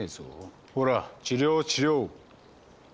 ほら治療治療。